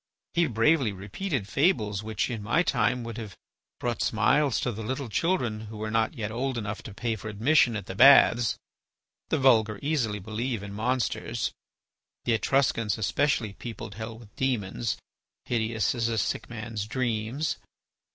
He bravely repeated fables which in my time would have brought smiles to the little children who were not yet old enough to pay for admission at the baths. The vulgar easily believe in monsters. The Etruscans especially peopled hell with demons, hideous as a sick man's dreams.